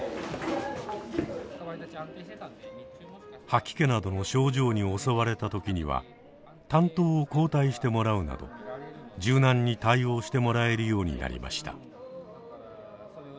吐き気などの症状に襲われた時には担当を交代してもらうなど柔軟に対応してもらえるようになりました。